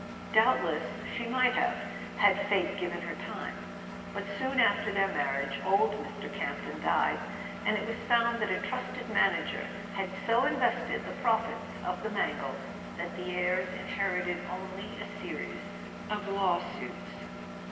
Doubtless she might have, had fate given her time; but soon after their marriage old Mr. Campton died, and it was found that a trusted manager had so in¬ vested the profits of the Mangle that the heirs inherited only a series of law suits.